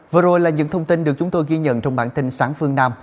vừa rồi là những thông tin được chúng tôi ghi nhận trong bản tin sáng phương nam